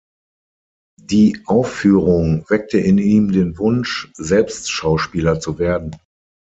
Die Aufführung weckte in ihm den Wunsch, selbst Schauspieler zu werden.